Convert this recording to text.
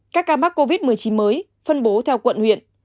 các ca mắc covid một mươi chín mới phân bố theo quận huyện